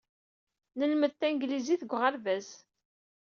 Nlemmed tanglizit deg uɣerbaz.